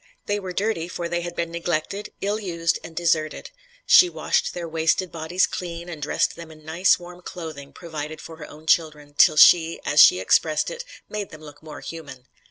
They were dirty, for they had been neglected, ill used and deserted. She washed their wasted bodies clean and dressed them in nice warm clothing provided for her own children, till she, as she expressed it, "made them look more human."